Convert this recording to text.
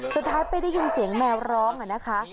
สุดท้ายไปได้ยินเสียงแมวร้องนะคะ